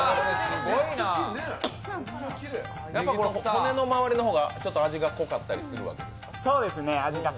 骨の周りの方がちょっと味が濃かったりするんですか？